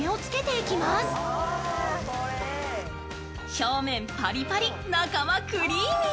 表面パリパリ、中はクリーミー。